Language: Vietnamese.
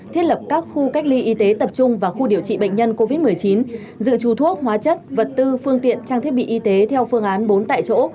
thiết lập các khu cách ly y tế tập trung và khu điều trị bệnh nhân covid một mươi chín dự trù thuốc hóa chất vật tư phương tiện trang thiết bị y tế theo phương án bốn tại chỗ